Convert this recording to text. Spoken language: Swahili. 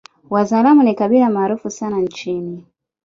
Wazaramo ni kabila maarufu sana nchini